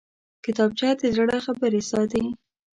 کتابچه د زړه خبرې ساتي